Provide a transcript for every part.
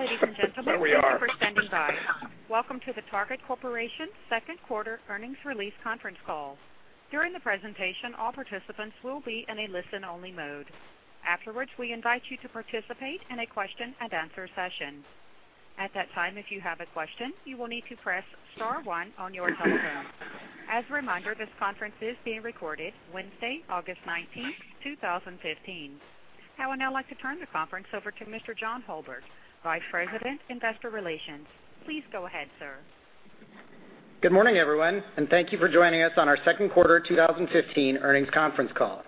Ladies and gentlemen. There we are. Thank you for standing by. Welcome to the Target Corporation second quarter earnings release conference call. During the presentation, all participants will be in a listen-only mode. Afterwards, we invite you to participate in a question and answer session. At that time, if you have a question, you will need to press star one on your telephone. As a reminder, this conference is being recorded Wednesday, August 19th, 2015. I would now like to turn the conference over to Mr. John Hulbert, Vice President, Investor Relations. Please go ahead, sir. Good morning, everyone. Thank you for joining us on our second quarter 2015 earnings conference call.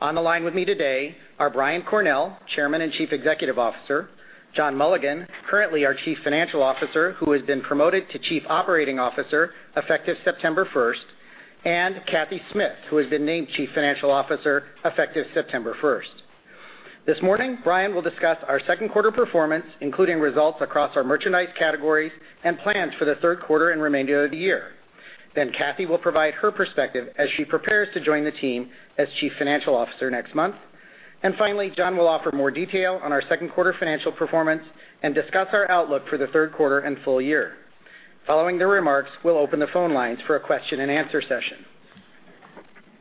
On the line with me today are Brian Cornell, Chairman and Chief Executive Officer, John Mulligan, currently our Chief Financial Officer, who has been promoted to Chief Operating Officer effective September 1st, and Cathy Smith, who has been named Chief Financial Officer effective September 1st. This morning, Brian will discuss our second quarter performance, including results across our merchandise categories and plans for the third quarter and remainder of the year. Cathy will provide her perspective as she prepares to join the team as Chief Financial Officer next month. Finally, John will offer more detail on our second quarter financial performance and discuss our outlook for the third quarter and full year. Following the remarks, we'll open the phone lines for a question and answer session.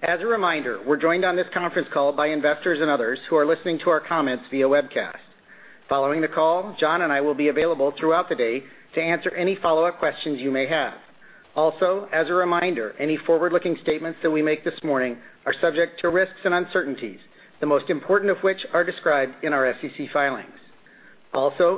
As a reminder, we're joined on this conference call by investors and others who are listening to our comments via webcast. Following the call, John and I will be available throughout the day to answer any follow-up questions you may have. As a reminder, any forward-looking statements that we make this morning are subject to risks and uncertainties, the most important of which are described in our SEC filings.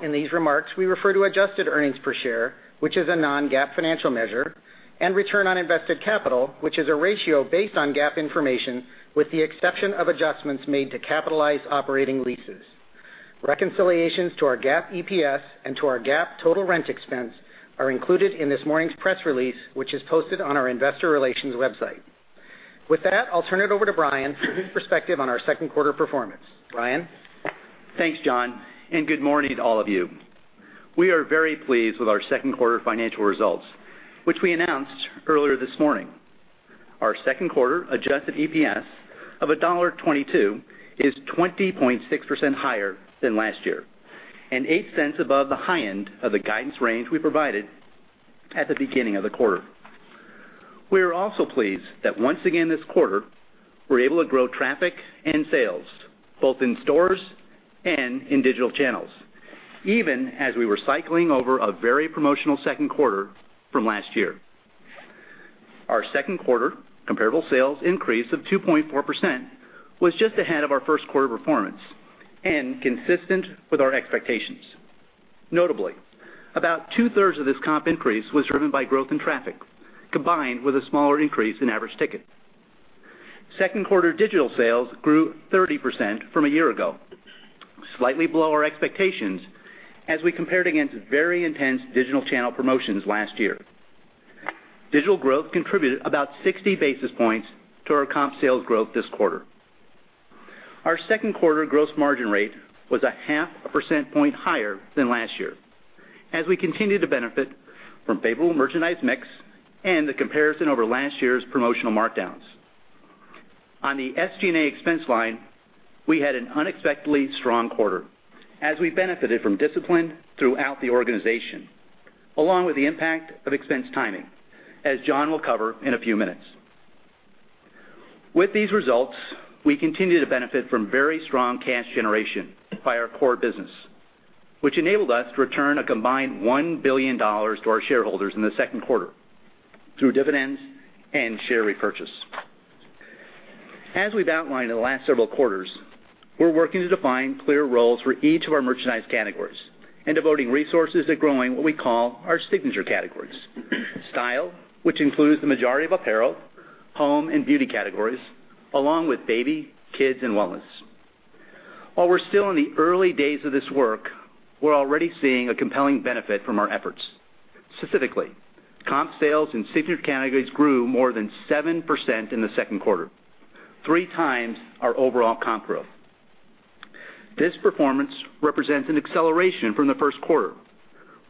In these remarks, we refer to adjusted earnings per share, which is a non-GAAP financial measure, and return on invested capital, which is a ratio based on GAAP information with the exception of adjustments made to capitalized operating leases. Reconciliations to our GAAP EPS and to our GAAP total rent expense are included in this morning's press release, which is posted on our investor relations website. With that, I'll turn it over to Brian for his perspective on our second quarter performance. Brian? Thanks, John, and good morning to all of you. We are very pleased with our second quarter financial results, which we announced earlier this morning. Our second quarter adjusted EPS of $1.22 is 20.6% higher than last year, and $0.08 above the high end of the guidance range we provided at the beginning of the quarter. We are pleased that once again this quarter, we're able to grow traffic and sales, both in stores and in digital channels, even as we were cycling over a very promotional second quarter from last year. Our second quarter comparable sales increase of 2.4% was just ahead of our first quarter performance and consistent with our expectations. Notably, about two-thirds of this comp increase was driven by growth in traffic, combined with a smaller increase in average ticket. Second quarter digital sales grew 30% from a year ago, slightly below our expectations as we compared against very intense digital channel promotions last year. Digital growth contributed about 60 basis points to our comp sales growth this quarter. Our second quarter gross margin rate was a half a percent point higher than last year as we continue to benefit from favorable merchandise mix and the comparison over last year's promotional markdowns. On the SG&A expense line, we had an unexpectedly strong quarter as we benefited from discipline throughout the organization, along with the impact of expense timing, as John will cover in a few minutes. With these results, we continue to benefit from very strong cash generation by our core business, which enabled us to return a combined $1 billion to our shareholders in the second quarter through dividends and share repurchase. As we've outlined in the last several quarters, we're working to define clear roles for each of our merchandise categories and devoting resources to growing what we call our signature categories: style, which includes the majority of apparel, home, and beauty categories, along with baby, kids, and wellness. While we're still in the early days of this work, we're already seeing a compelling benefit from our efforts. Specifically, comp sales in signature categories grew more than 7% in the second quarter, three times our overall comp growth. This performance represents an acceleration from the first quarter,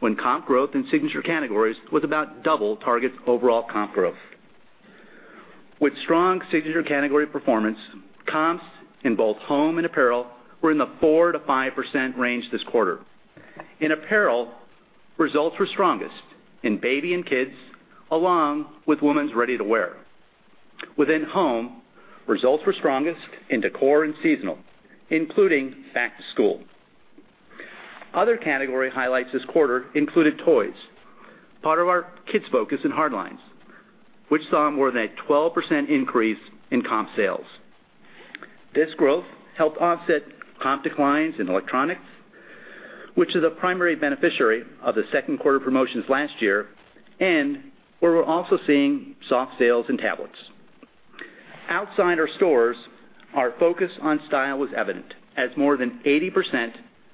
when comp growth in signature categories was about double Target's overall comp growth. With strong signature category performance, comps in both home and apparel were in the 4%-5% range this quarter. In apparel, results were strongest in baby and kids, along with women's ready-to-wear. Within home, results were strongest in decor and seasonal, including back to school. Other category highlights this quarter included toys, part of our kids' focus in hard lines, which saw more than a 12% increase in comp sales. This growth helped offset comp declines in electronics, which is a primary beneficiary of the second quarter promotions last year and where we're also seeing soft sales in tablets. Outside our stores, our focus on style was evident as more than 80%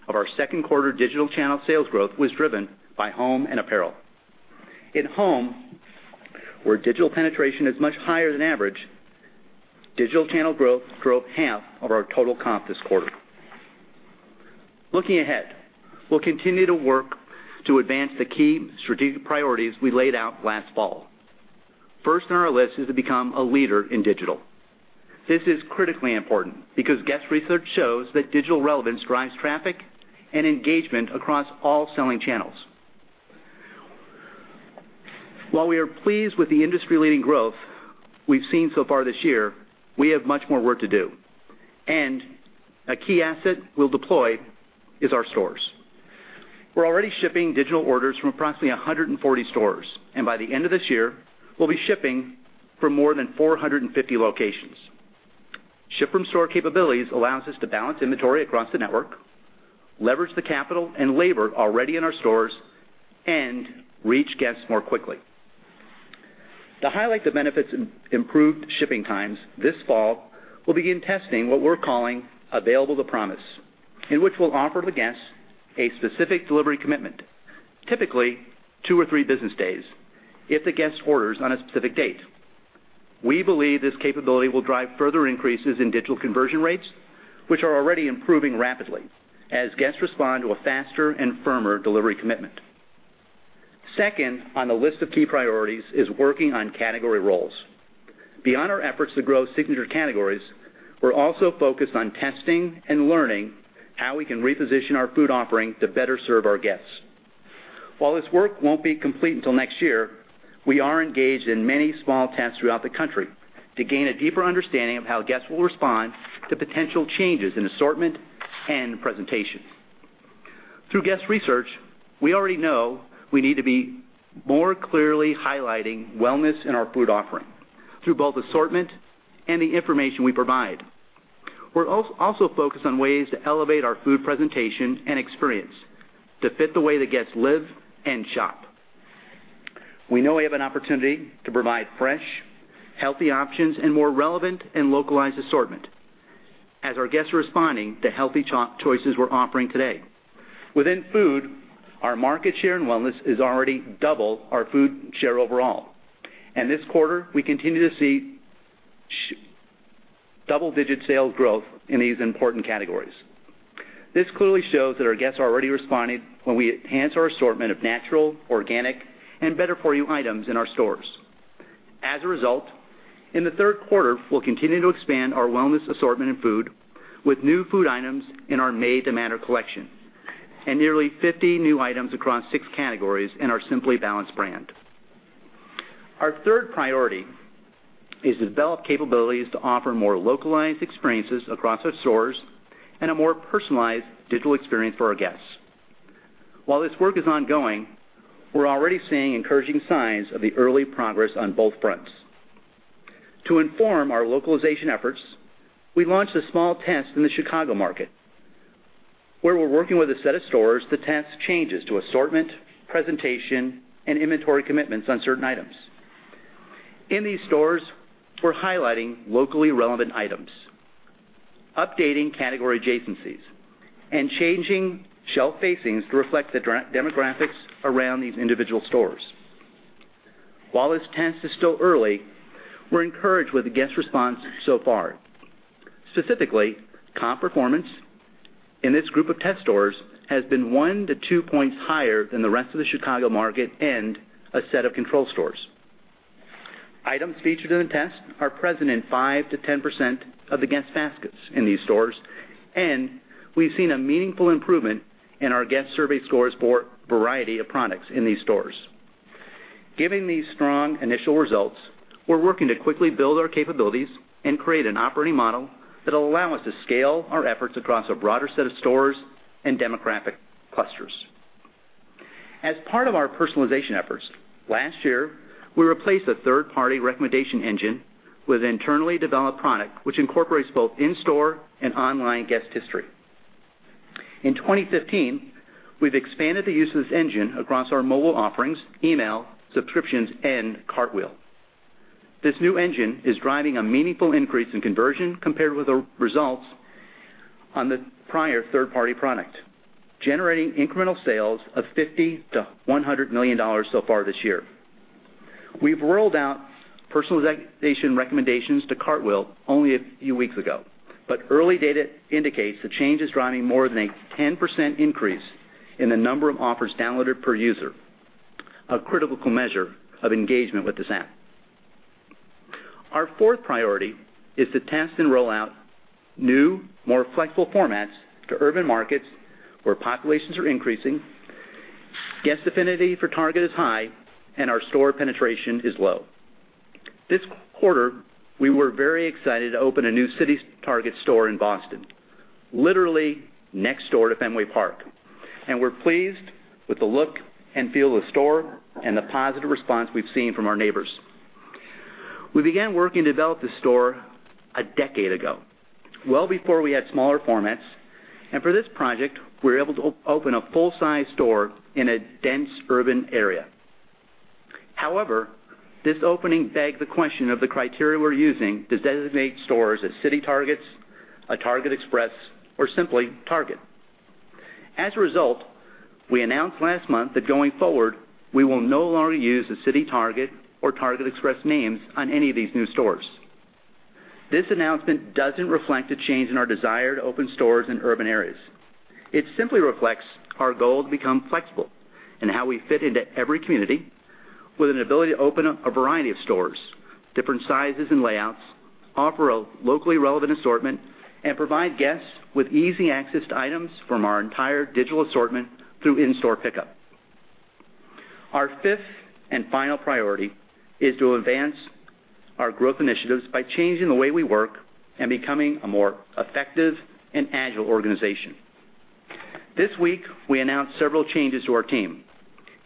of our second quarter digital channel sales growth was driven by home and apparel. In home, where digital penetration is much higher than average, digital channel growth drove half of our total comp this quarter. Looking ahead, we'll continue to work to advance the key strategic priorities we laid out last fall. First on our list is to become a leader in digital. This is critically important because guest research shows that digital relevance drives traffic and engagement across all selling channels. While we are pleased with the industry-leading growth we've seen so far this year, we have much more work to do. A key asset we'll deploy is our stores. We're already shipping digital orders from approximately 140 stores, and by the end of this year, we'll be shipping for more than 450 locations. Ship-from-store capabilities allows us to balance inventory across the network, leverage the capital and labor already in our stores, and reach guests more quickly. To highlight the benefits of improved shipping times this fall, we'll begin testing what we're calling Available to Promise, in which we'll offer the guests a specific delivery commitment, typically two or three business days if the guest orders on a specific date. We believe this capability will drive further increases in digital conversion rates, which are already improving rapidly as guests respond to a faster and firmer delivery commitment. Second on the list of key priorities is working on category roles. Beyond our efforts to grow signature categories, we're also focused on testing and learning how we can reposition our food offering to better serve our guests. While this work won't be complete until next year, we are engaged in many small tests throughout the country to gain a deeper understanding of how guests will respond to potential changes in assortment and presentation. Through guest research, we already know we need to be more clearly highlighting wellness in our food offering through both assortment and the information we provide. We're also focused on ways to elevate our food presentation and experience to fit the way that guests live and shop. We know we have an opportunity to provide fresh, healthy options, and more relevant and localized assortment as our guests are responding to healthy choices we're offering today. Within food, our market share and wellness is already double our food share overall. This quarter, we continue to see double-digit sales growth in these important categories. This clearly shows that our guests are already responding when we enhance our assortment of natural, organic, and better-for-you items in our stores. As a result, in the third quarter, we'll continue to expand our wellness assortment and food with new food items in our Made to Matter collection and nearly 50 new items across six categories in our Simply Balanced brand. Our third priority is to develop capabilities to offer more localized experiences across our stores and a more personalized digital experience for our guests. While this work is ongoing, we're already seeing encouraging signs of the early progress on both fronts. To inform our localization efforts, we launched a small test in the Chicago market, where we're working with a set of stores to test changes to assortment, presentation, and inventory commitments on certain items. In these stores, we're highlighting locally relevant items, updating category adjacencies, and changing shelf facings to reflect the demographics around these individual stores. While this test is still early, we're encouraged with the guest response so far. Specifically, comp performance in this group of test stores has been one to two points higher than the rest of the Chicago market and a set of control stores. Items featured in the test are present in 5%-10% of the guest baskets in these stores, and we've seen a meaningful improvement in our guest survey scores for variety of products in these stores. Given these strong initial results, we're working to quickly build our capabilities and create an operating model that'll allow us to scale our efforts across a broader set of stores and demographic clusters. As part of our personalization efforts, last year, we replaced a third-party recommendation engine with internally developed product, which incorporates both in-store and online guest history. In 2015, we've expanded the use of this engine across our mobile offerings, email, subscriptions, and Cartwheel. This new engine is driving a meaningful increase in conversion compared with the results on the prior third-party product, generating incremental sales of $50 million-$100 million so far this year. We've rolled out personalization recommendations to Cartwheel only a few weeks ago, but early data indicates the change is driving more than a 10% increase in the number of offers downloaded per user, a critical measure of engagement with this app. Our fourth priority is to test and roll out new, more flexible formats to urban markets where populations are increasing, guest affinity for Target is high, and our store penetration is low. This quarter, we were very excited to open a new CityTarget store in Boston, literally next door to Fenway Park. We're pleased with the look and feel of the store and the positive response we've seen from our neighbors. We began working to develop this store a decade ago, well before we had smaller formats, and for this project, we were able to open a full-size store in a dense urban area. However, this opening begged the question of the criteria we're using to designate stores as CityTarget, TargetExpress, or simply Target. As a result, we announced last month that going forward, we will no longer use the CityTarget or TargetExpress names on any of these new stores. This announcement doesn't reflect a change in our desire to open stores in urban areas. It simply reflects our goal to become flexible in how we fit into every community with an ability to open up a variety of stores, different sizes and layouts, offer a locally relevant assortment, and provide guests with easy access to items from our entire digital assortment through in-store pickup. Our fifth and final priority is to advance our growth initiatives by changing the way we work and becoming a more effective and agile organization. This week, we announced several changes to our team,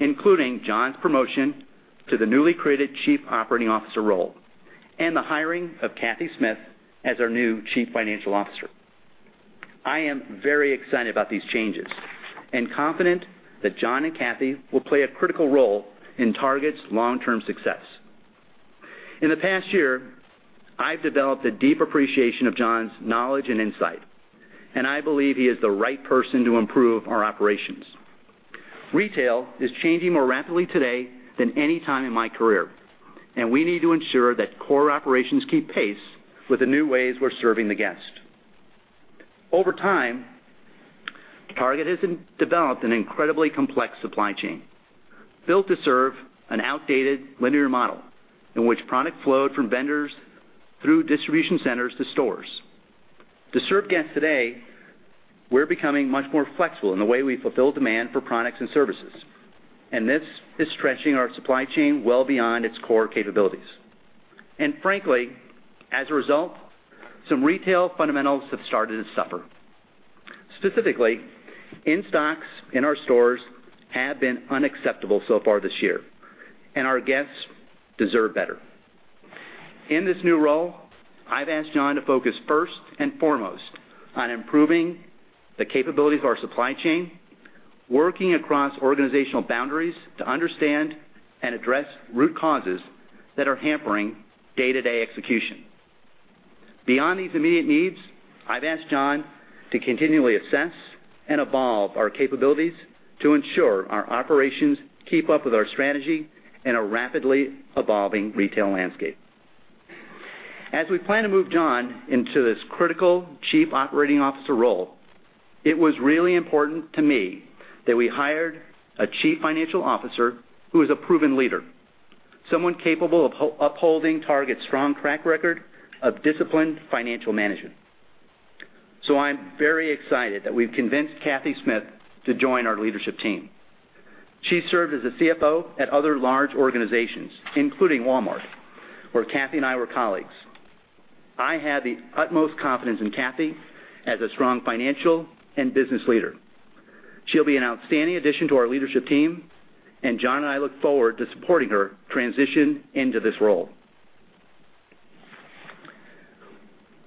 including John's promotion to the newly created Chief Operating Officer role, and the hiring of Cathy Smith as our new Chief Financial Officer. I am very excited about these changes and confident that John and Cathy will play a critical role in Target's long-term success. In the past year, I've developed a deep appreciation of John's knowledge and insight, and I believe he is the right person to improve our operations. Retail is changing more rapidly today than any time in my career, and we need to ensure that core operations keep pace with the new ways we're serving the guest. Over time, Target has developed an incredibly complex supply chain, built to serve an outdated linear model in which product flowed from vendors through distribution centers to stores. To serve guests today, we're becoming much more flexible in the way we fulfill demand for products and services. This is stretching our supply chain well beyond its core capabilities. Frankly, as a result, some retail fundamentals have started to suffer. Specifically, in-stocks in our stores have been unacceptable so far this year, and our guests deserve better. In this new role, I've asked John to focus first and foremost on improving the capabilities of our supply chain, working across organizational boundaries to understand and address root causes that are hampering day-to-day execution. Beyond these immediate needs, I've asked John to continually assess and evolve our capabilities to ensure our operations keep up with our strategy in a rapidly evolving retail landscape. As we plan to move John into this critical Chief Operating Officer role, it was really important to me that we hired a Chief Financial Officer who is a proven leader, someone capable of upholding Target's strong track record of disciplined financial management. So I'm very excited that we've convinced Cathy Smith to join our leadership team. She served as a CFO at other large organizations, including Walmart, where Cathy and I were colleagues. I have the utmost confidence in Cathy as a strong financial and business leader. She'll be an outstanding addition to our leadership team, and John and I look forward to supporting her transition into this role.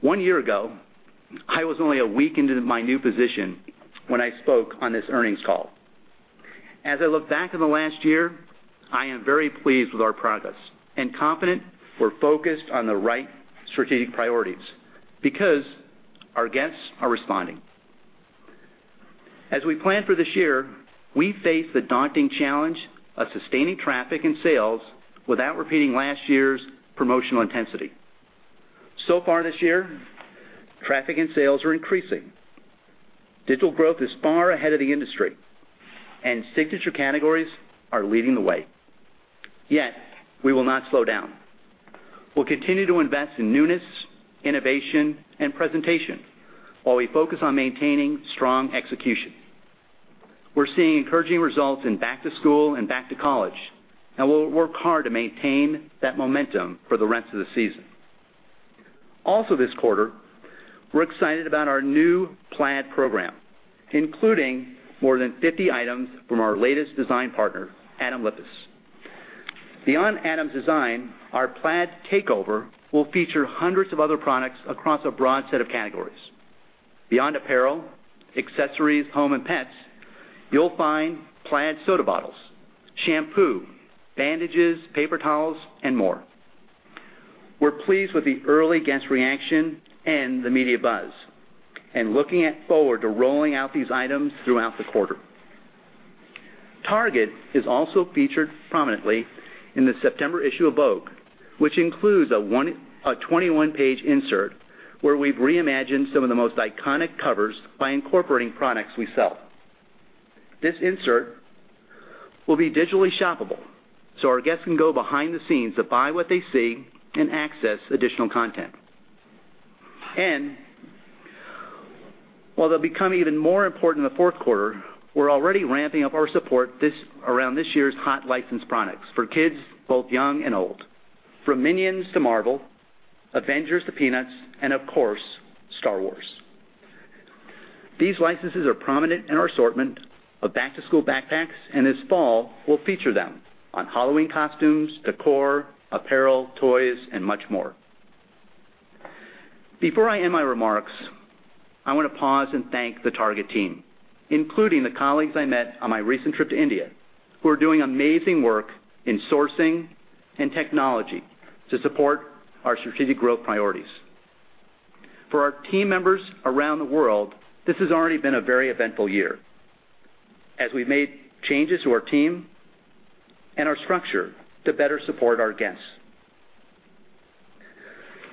One year ago, I was only a week into my new position when I spoke on this earnings call. As I look back on the last year, I am very pleased with our progress and confident we're focused on the right strategic priorities because our guests are responding. As we plan for this year, we face the daunting challenge of sustaining traffic and sales without repeating last year's promotional intensity. Far this year, traffic and sales are increasing. Digital growth is far ahead of the industry, and signature categories are leading the way. Yet, we will not slow down. We'll continue to invest in newness, innovation, and presentation while we focus on maintaining strong execution. We're seeing encouraging results in back to school and back to college, and we'll work hard to maintain that momentum for the rest of the season. Also this quarter, we're excited about our new plaid program, including more than 50 items from our latest design partner, Adam Lippes. Beyond Adam's design, our plaid takeover will feature hundreds of other products across a broad set of categories. Beyond apparel, accessories, home, and pets, you'll find plaid soda bottles, shampoo, bandages, paper towels, and more. We're pleased with the early guest reaction and the media buzz, and looking forward to rolling out these items throughout the quarter. Target is also featured prominently in the September issue of Vogue, which includes a 21-page insert where we've reimagined some of the most iconic covers by incorporating products we sell. This insert will be digitally shoppable, so our guests can go behind the scenes to buy what they see and access additional content. While they'll become even more important in the fourth quarter, we're already ramping up our support around this year's hot licensed products for kids both young and old, from Minions to Marvel, Avengers to Peanuts, and of course, Star Wars. These licenses are prominent in our assortment of back-to-school backpacks, and this fall, we'll feature them on Halloween costumes, decor, apparel, toys, and much more. Before I end my remarks, I want to pause and thank the Target team, including the colleagues I met on my recent trip to India, who are doing amazing work in sourcing and technology to support our strategic growth priorities. For our team members around the world, this has already been a very eventful year. As we've made changes to our team and our structure to better support our guests.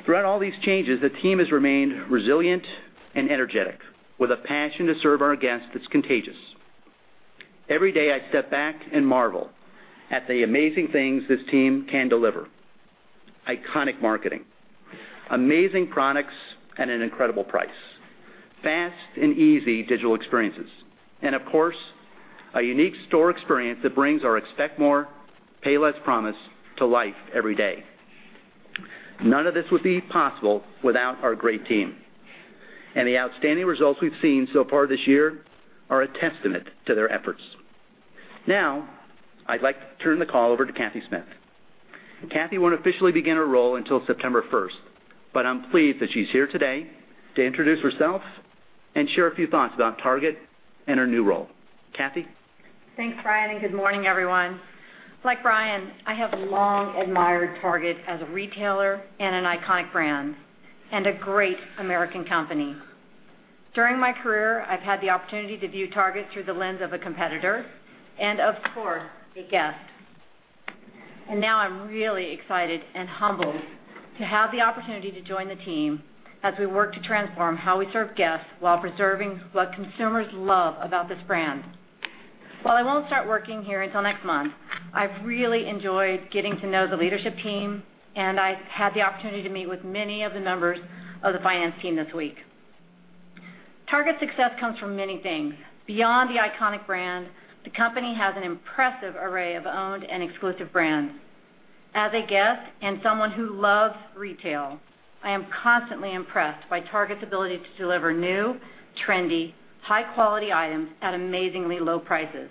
Throughout all these changes, the team has remained resilient and energetic, with a passion to serve our guests that's contagious. Every day I step back and marvel at the amazing things this team can deliver. Iconic marketing, amazing products at an incredible price, fast and easy digital experiences, and of course, a unique store experience that brings our Expect More. Pay Less. promise to life every day. None of this would be possible without our great team, and the outstanding results we've seen so far this year are a testament to their efforts. Now, I'd like to turn the call over to Cathy Smith. Cathy won't officially begin her role until September 1st, but I'm pleased that she's here today to introduce herself and share a few thoughts about Target and her new role. Cathy? Thanks, Brian, and good morning, everyone. Like Brian, I have long admired Target as a retailer and an iconic brand, and a great American company. During my career, I've had the opportunity to view Target through the lens of a competitor, and of course, a guest. Now I'm really excited and humbled to have the opportunity to join the team as we work to transform how we serve guests while preserving what consumers love about this brand. While I won't start working here until next month, I've really enjoyed getting to know the leadership team, and I had the opportunity to meet with many of the members of the finance team this week. Target's success comes from many things. Beyond the iconic brand, the company has an impressive array of owned and exclusive brands. As a guest and someone who loves retail, I am constantly impressed by Target's ability to deliver new, trendy, high-quality items at amazingly low prices.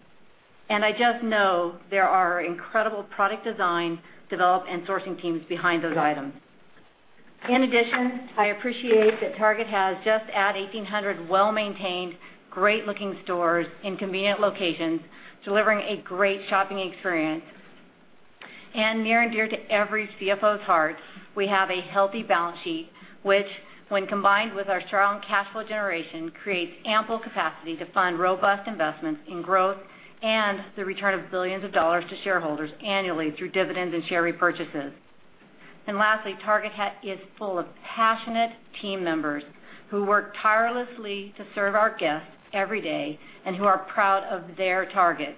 I just know there are incredible product design, develop, and sourcing teams behind those items. In addition, I appreciate that Target has just had 1,800 well-maintained, great-looking stores in convenient locations, delivering a great shopping experience. Near and dear to every CFO's heart, we have a healthy balance sheet, which when combined with our strong cash flow generation, creates ample capacity to fund robust investments in growth and the return of billions of dollars to shareholders annually through dividends and share repurchases. Lastly, Target is full of passionate team members who work tirelessly to serve our guests every day and who are proud of their Target.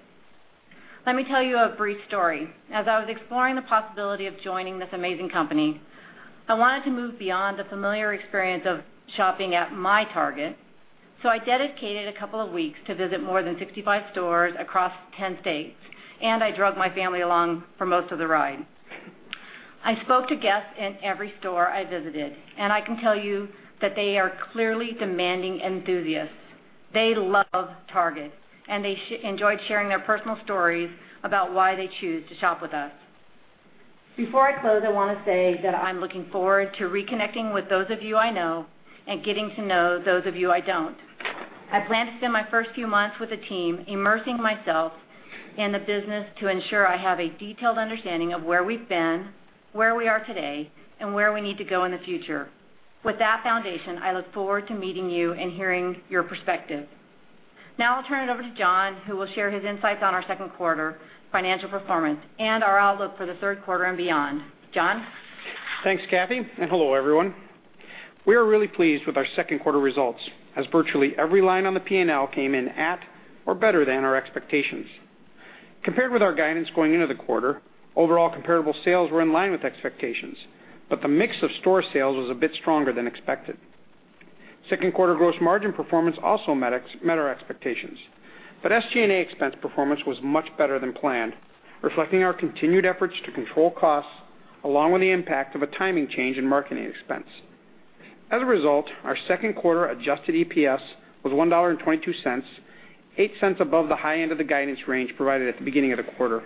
Let me tell you a brief story. As I was exploring the possibility of joining this amazing company, I wanted to move beyond the familiar experience of shopping at my Target, so I dedicated a couple of weeks to visit more than 65 stores across 10 states, and I dragged my family along for most of the ride. I spoke to guests in every store I visited, and I can tell you that they are clearly demanding enthusiasts. They love Target, and they enjoyed sharing their personal stories about why they choose to shop with us. Before I close, I want to say that I'm looking forward to reconnecting with those of you I know and getting to know those of you I don't. I plan to spend my first few months with the team immersing myself in the business to ensure I have a detailed understanding of where we've been, where we are today, and where we need to go in the future. With that foundation, I look forward to meeting you and hearing your perspective. Now I'll turn it over to John, who will share his insights on our second quarter financial performance and our outlook for the third quarter and beyond. John? Thanks, Cathy. Hello, everyone. We are really pleased with our second quarter results, as virtually every line on the P&L came in at or better than our expectations. Compared with our guidance going into the quarter, overall comparable sales were in line with expectations, but the mix of store sales was a bit stronger than expected. Second quarter gross margin performance also met our expectations, but SG&A expense performance was much better than planned, reflecting our continued efforts to control costs, along with the impact of a timing change in marketing expense. As a result, our second quarter adjusted EPS was $1.22, $0.08 above the high end of the guidance range provided at the beginning of the quarter.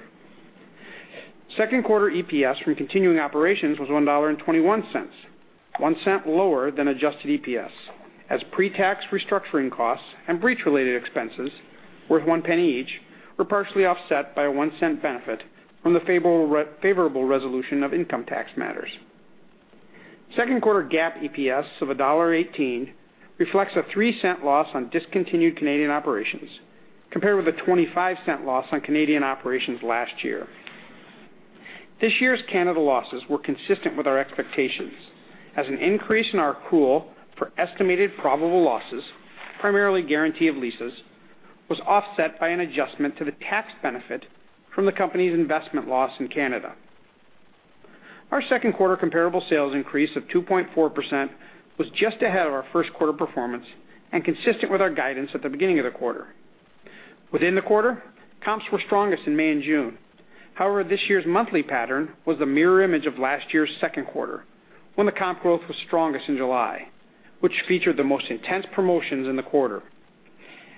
Second quarter EPS from continuing operations was $1.21, $0.01 lower than adjusted EPS, as pre-tax restructuring costs and breach-related expenses, worth $0.01 each, were partially offset by a $0.01 benefit from the favorable resolution of income tax matters. Second quarter GAAP EPS of $1.18 reflects a $0.03 loss on discontinued Canadian operations, compared with a $0.25 loss on Canadian operations last year. This year's Canada losses were consistent with our expectations, as an increase in our accrual for estimated probable losses, primarily guarantee of leases, was offset by an adjustment to the tax benefit from the company's investment loss in Canada. Our second quarter comparable sales increase of 2.4% was just ahead of our first quarter performance and consistent with our guidance at the beginning of the quarter. Within the quarter, comps were strongest in May and June. This year's monthly pattern was the mirror image of last year's second quarter, when the comp growth was strongest in July, which featured the most intense promotions in the quarter.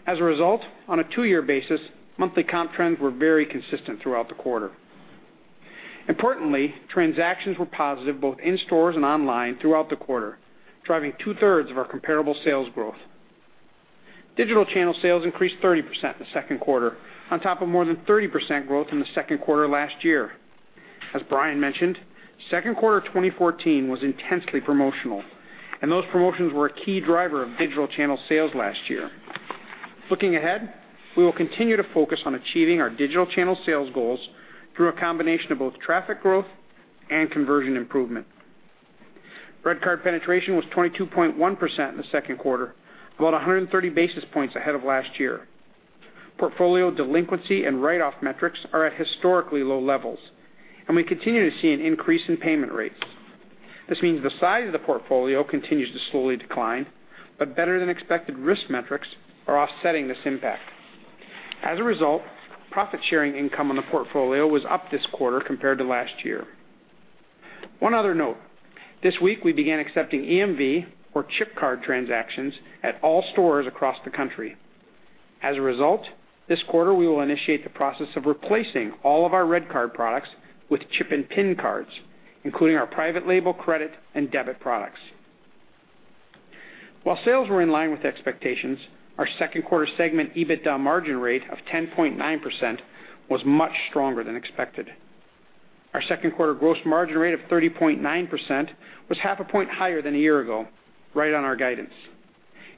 As a result, on a two-year basis, monthly comp trends were very consistent throughout the quarter. Importantly, transactions were positive both in stores and online throughout the quarter, driving two-thirds of our comparable sales growth. Digital channel sales increased 30% in the second quarter, on top of more than 30% growth in the second quarter last year. As Brian mentioned, second quarter 2014 was intensely promotional. Those promotions were a key driver of digital channel sales last year. Looking ahead, we will continue to focus on achieving our digital channel sales goals through a combination of both traffic growth and conversion improvement. RedCard penetration was 22.1% in the second quarter, about 130 basis points ahead of last year. Portfolio delinquency and write-off metrics are at historically low levels. We continue to see an increase in payment rates. This means the size of the portfolio continues to slowly decline, but better-than-expected risk metrics are offsetting this impact. As a result, profit-sharing income on the portfolio was up this quarter compared to last year. One other note: This week, we began accepting EMV or chip card transactions at all stores across the country. As a result, this quarter we will initiate the process of replacing all of our RedCard products with chip and PIN cards, including our private label credit and debit products. While sales were in line with expectations, our second quarter segment EBITDA margin rate of 10.9% was much stronger than expected. Our second quarter gross margin rate of 30.9% was half a point higher than a year ago, right on our guidance.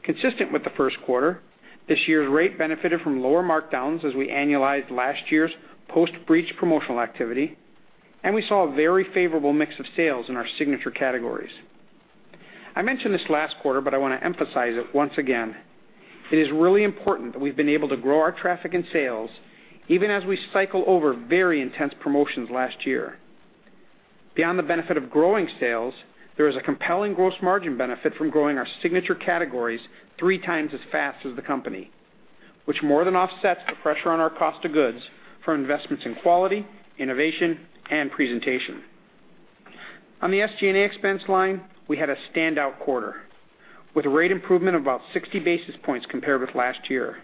Consistent with the first quarter, this year's rate benefited from lower markdowns as we annualized last year's post-breach promotional activity, and we saw a very favorable mix of sales in our signature categories. I mentioned this last quarter, but I want to emphasize it once again. It is really important that we've been able to grow our traffic and sales even as we cycle over very intense promotions last year. Beyond the benefit of growing sales, there is a compelling gross margin benefit from growing our signature categories three times as fast as the company, which more than offsets the pressure on our cost of goods for investments in quality, innovation, and presentation. On the SG&A expense line, we had a standout quarter with a rate improvement of about 60 basis points compared with last year.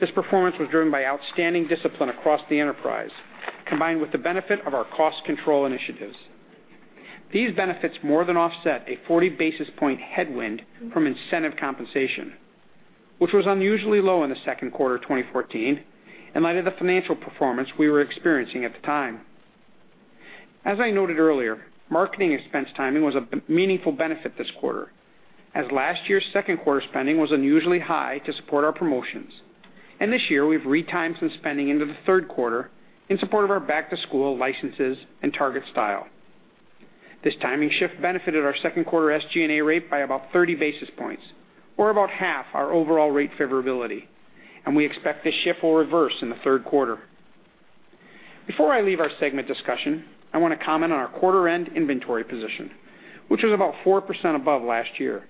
This performance was driven by outstanding discipline across the enterprise, combined with the benefit of our cost control initiatives. These benefits more than offset a 40 basis point headwind from incentive compensation, which was unusually low in the second quarter of 2014 in light of the financial performance we were experiencing at the time. As I noted earlier, marketing expense timing was a meaningful benefit this quarter, as last year's second-quarter spending was unusually high to support our promotions. This year, we've retimed some spending into the third quarter in support of our back-to-school licenses and Target Style. This timing shift benefited our second quarter SG&A rate by about 30 basis points or about half our overall rate favorability, and we expect this shift will reverse in the third quarter. Before I leave our segment discussion, I want to comment on our quarter-end inventory position, which was about 4% above last year.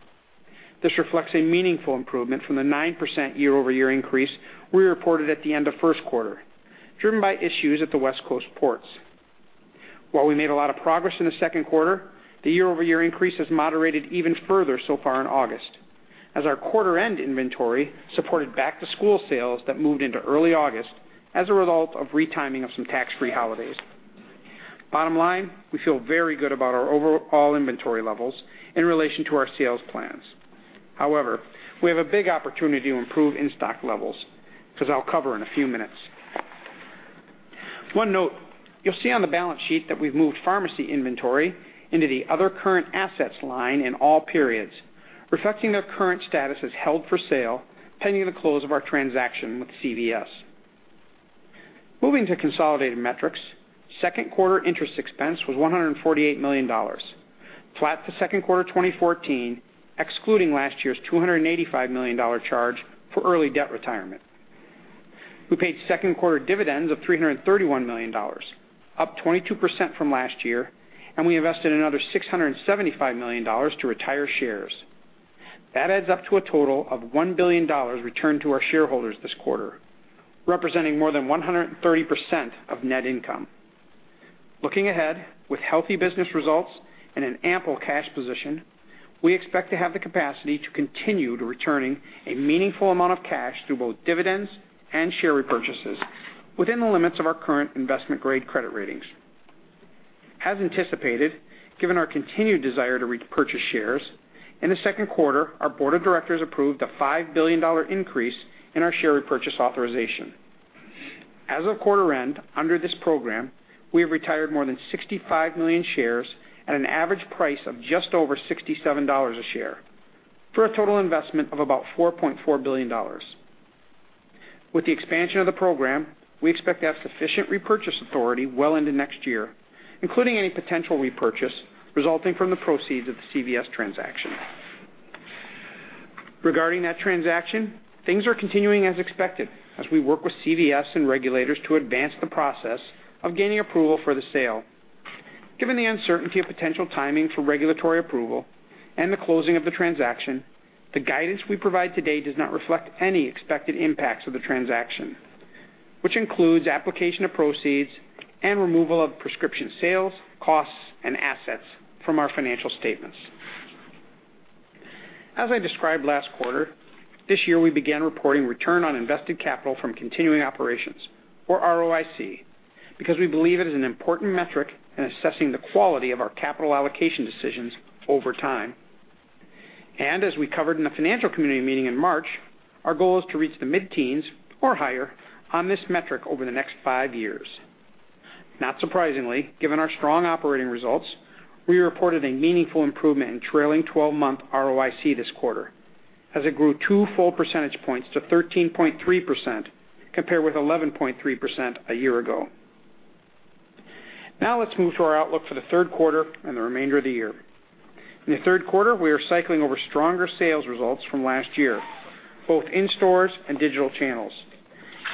This reflects a meaningful improvement from the 9% year-over-year increase we reported at the end of first quarter, driven by issues at the West Coast ports. While we made a lot of progress in the second quarter, the year-over-year increase has moderated even further so far in August as our quarter-end inventory supported back-to-school sales that moved into early August as a result of retiming of some tax-free holidays. Bottom line: We feel very good about our overall inventory levels in relation to our sales plans. However, we have a big opportunity to improve in-stock levels, which I'll cover in a few minutes. One note: You'll see on the balance sheet that we've moved pharmacy inventory into the other current assets line in all periods, reflecting their current status as held for sale, pending the close of our transaction with CVS. Moving to consolidated metrics, second quarter interest expense was $148 million, flat to second quarter 2014, excluding last year's $285 million charge for early debt retirement. We paid second quarter dividends of $331 million, up 22% from last year, and we invested another $675 million to retire shares. That adds up to a total of $1 billion returned to our shareholders this quarter, representing more than 130% of net income. Looking ahead, with healthy business results and an ample cash position, we expect to have the capacity to continue to returning a meaningful amount of cash through both dividends and share repurchases within the limits of our current investment-grade credit ratings. As anticipated, given our continued desire to repurchase shares, in the second quarter, our board of directors approved a $5 billion increase in our share repurchase authorization. As of quarter end, under this program, we have retired more than 65 million shares at an average price of just over $67 a share for a total investment of about $4.4 billion. With the expansion of the program, we expect to have sufficient repurchase authority well into next year, including any potential repurchase resulting from the proceeds of the CVS transaction. Regarding that transaction, things are continuing as expected as we work with CVS and regulators to advance the process of gaining approval for the sale. Given the uncertainty of potential timing for regulatory approval and the closing of the transaction, the guidance we provide today does not reflect any expected impacts of the transaction, which includes application of proceeds and removal of prescription sales, costs, and assets from our financial statements. As I described last quarter, this year we began reporting return on invested capital from continuing operations or ROIC because we believe it is an important metric in assessing the quality of our capital allocation decisions over time. As we covered in the financial community meeting in March, our goal is to reach the mid-teens or higher on this metric over the next five years. Not surprisingly, given our strong operating results, we reported a meaningful improvement in trailing 12-month ROIC this quarter, as it grew two full percentage points to 13.3%, compared with 11.3% a year ago. Let's move to our outlook for the third quarter and the remainder of the year. In the third quarter, we are cycling over stronger sales results from last year, both in stores and digital channels,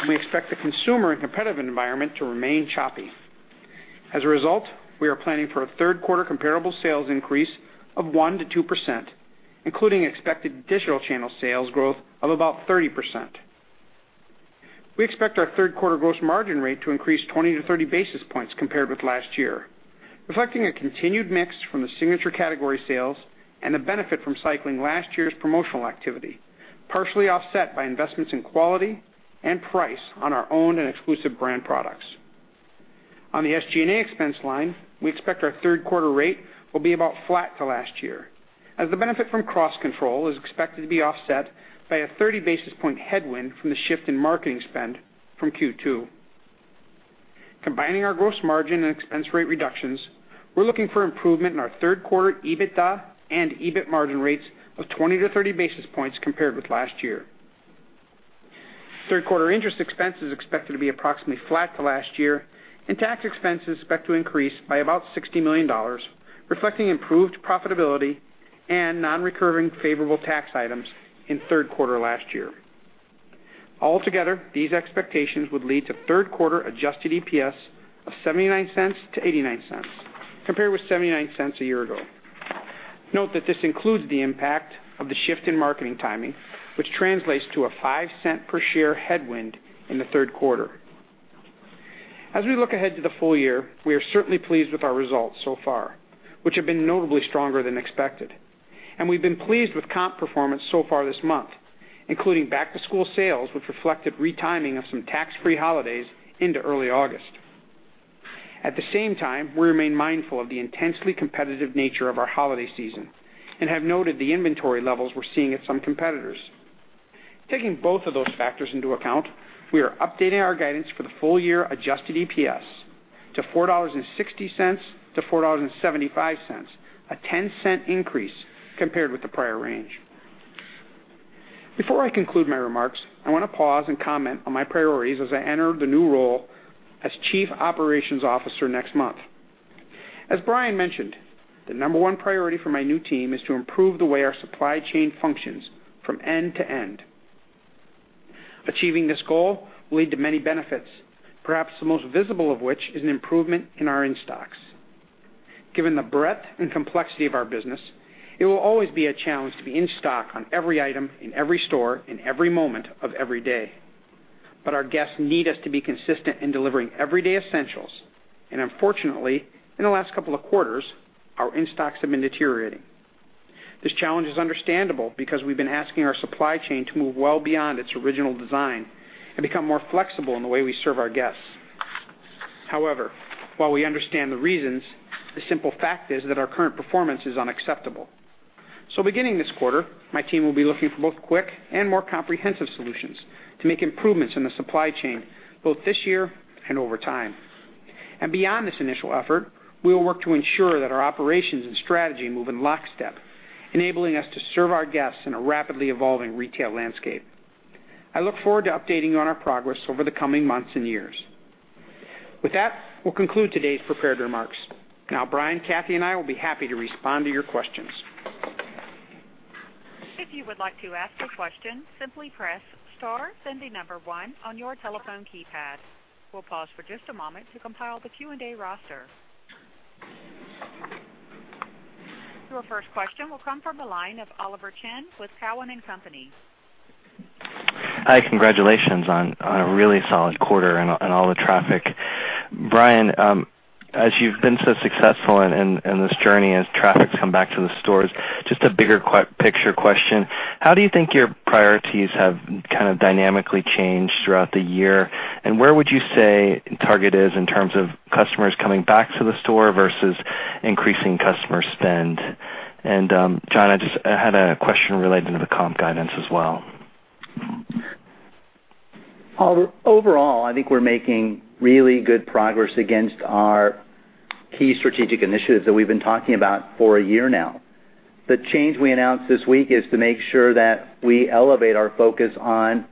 and we expect the consumer and competitive environment to remain choppy. As a result, we are planning for a third-quarter comparable sales increase of 1%-2%, including expected digital channel sales growth of about 30%. We expect our third-quarter gross margin rate to increase 20-30 basis points compared with last year, reflecting a continued mix from the signature category sales and the benefit from cycling last year's promotional activity, partially offset by investments in quality and price on our own and exclusive brand products. On the SG&A expense line, we expect our third quarter rate will be about flat to last year, as the benefit from cross-control is expected to be offset by a 30 basis point headwind from the shift in marketing spend from Q2. Combining our gross margin and expense rate reductions, we're looking for improvement in our third quarter EBITDA and EBIT margin rates of 20-30 basis points compared with last year. Third quarter interest expense is expected to be approximately flat to last year. Tax expense is expected to increase by about $60 million, reflecting improved profitability and non-recurring favorable tax items in third quarter last year. Altogether, these expectations would lead to third quarter adjusted EPS of $0.79 to $0.89, compared with $0.79 a year ago. Note that this includes the impact of the shift in marketing timing, which translates to a $0.05 per share headwind in the third quarter. As we look ahead to the full year, we are certainly pleased with our results so far, which have been notably stronger than expected. We've been pleased with comp performance so far this month, including back-to-school sales, which reflected retiming of some tax-free holidays into early August. At the same time, we remain mindful of the intensely competitive nature of our holiday season and have noted the inventory levels we're seeing at some competitors. Taking both of those factors into account, we are updating our guidance for the full-year adjusted EPS to $4.60 to $4.75, a $0.10 increase compared with the prior range. Before I conclude my remarks, I want to pause and comment on my priorities as I enter the new role as Chief Operating Officer next month. As Brian mentioned, the number one priority for my new team is to improve the way our supply chain functions from end to end. Achieving this goal will lead to many benefits, perhaps the most visible of which is an improvement in our in-stocks. Given the breadth and complexity of our business, it will always be a challenge to be in stock on every item, in every store, in every moment of every day. Our guests need us to be consistent in delivering everyday essentials. Unfortunately, in the last couple of quarters, our in-stocks have been deteriorating. This challenge is understandable because we've been asking our supply chain to move well beyond its original design and become more flexible in the way we serve our guests. However, while we understand the reasons, the simple fact is that our current performance is unacceptable. Beginning this quarter, my team will be looking for both quick and more comprehensive solutions to make improvements in the supply chain, both this year and over time. Beyond this initial effort, we will work to ensure that our operations and strategy move in lockstep, enabling us to serve our guests in a rapidly evolving retail landscape. I look forward to updating you on our progress over the coming months and years. With that, we'll conclude today's prepared remarks. Brian, Cathy, and I will be happy to respond to your questions. If you would like to ask a question, simply press star, then the number one on your telephone keypad. We'll pause for just a moment to compile the Q&A roster. Your first question will come from the line of Oliver Chen with Cowen and Company. Hi. Congratulations on a really solid quarter and all the traffic. Brian, as you've been so successful in this journey as traffic's come back to the stores, just a bigger picture question, how do you think your priorities have kind of dynamically changed throughout the year? Where would you say Target is in terms of customers coming back to the store versus increasing customer spend? John, I just had a question related to the comp guidance as well. Oliver, overall, I think we're making really good progress against our key strategic initiatives that we've been talking about for a year now. The change we announced this week is to make sure that we elevate our focus on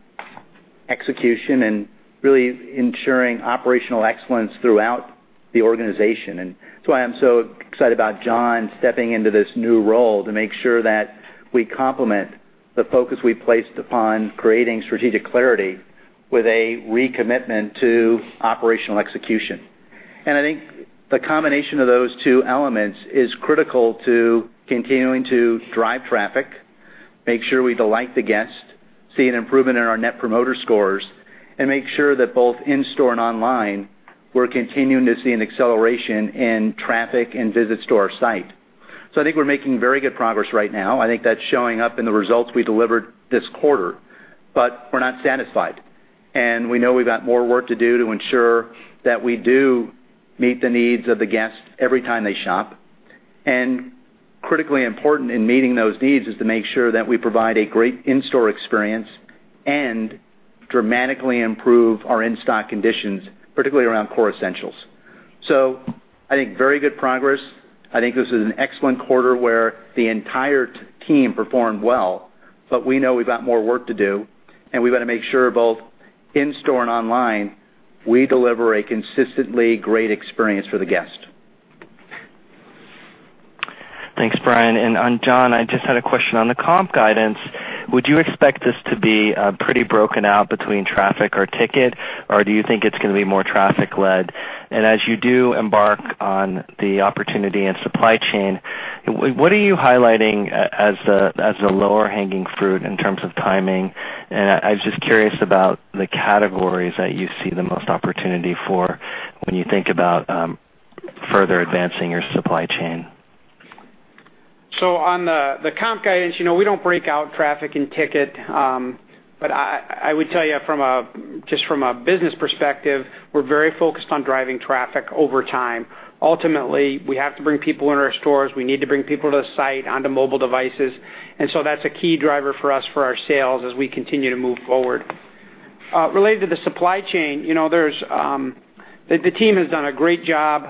execution and really ensuring operational excellence throughout the organization. That's why I'm so excited about John stepping into this new role, to make sure that we complement the focus we placed upon creating strategic clarity with a recommitment to operational execution. I think the combination of those two elements is critical to continuing to drive traffic, make sure we delight the guest, see an improvement in our net promoter scores, and make sure that both in-store and online, we're continuing to see an acceleration in traffic and visits to our site. I think we're making very good progress right now. I think that's showing up in the results we delivered this quarter. We're not satisfied, and we know we've got more work to do to ensure that we do meet the needs of the guest every time they shop. Critically important in meeting those needs is to make sure that we provide a great in-store experience and dramatically improve our in-stock conditions, particularly around core essentials. I think very good progress. I think this is an excellent quarter where the entire team performed well, but we know we've got more work to do, and we've got to make sure, both in-store and online, we deliver a consistently great experience for the guest. Thanks, Brian. John, I just had a question on the comp guidance. Would you expect this to be pretty broken out between traffic or ticket, or do you think it's going to be more traffic led? As you do embark on the opportunity and supply chain, what are you highlighting as the lower-hanging fruit in terms of timing? And I was just curious about the categories that you see the most opportunity for when you think about further advancing your supply chain. On the comp guidance, we don't break out traffic and ticket. I would tell you from a business perspective, we're very focused on driving traffic over time. Ultimately, we have to bring people into our stores. We need to bring people to the site, onto mobile devices. That's a key driver for us for our sales as we continue to move forward. Related to the supply chain, the team has done a great job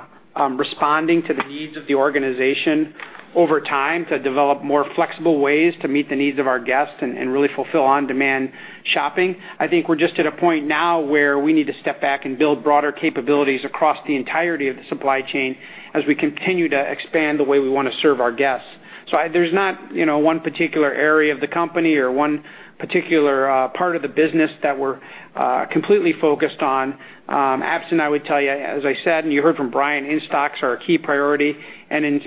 responding to the needs of the organization over time to develop more flexible ways to meet the needs of our guests and really fulfill on-demand shopping. I think we're just at a point now where we need to step back and build broader capabilities across the entirety of the supply chain as we continue to expand the way we want to serve our guests. There's not one particular area of the company or one particular part of the business that we're completely focused on. Absolutely, I would tell you, as I said, and you heard from Brian, in-stocks are a key priority,